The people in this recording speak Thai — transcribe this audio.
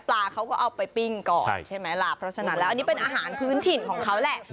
เขาก็เอาไปปิ้งก่อนใช่ไหมล่ะเพราะฉะนั้นแล้วอันนี้เป็นอาหารพื้นถิ่นของเขาแหละ